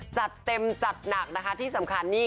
จัดเต็มจัดหนักนะคะที่สำคัญนี่